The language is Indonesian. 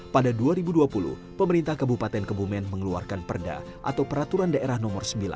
pada dua ribu dua puluh pemerintah kabupaten kebumen mengeluarkan perda atau peraturan daerah nomor sembilan